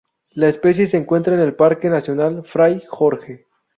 La especie se encuentra en el Parque Nacional Fray Jorge.